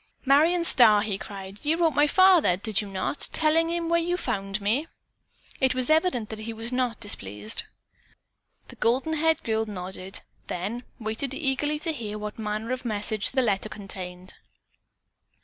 "Marion Starr," he cried, "you wrote my father, did you not, telling him where you found me?" It was evident that he was not displeased. The golden haired girl nodded, then waited eagerly to hear what manner of message the letter contained.